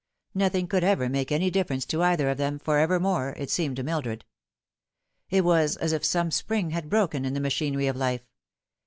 Nothing could ever make any difference to either of them for evermore, it seemed to Mildred. It was as if some spring had broken in the machinery of life.